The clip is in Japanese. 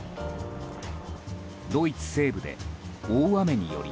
ドイツ西部で大雨により